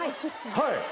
はい。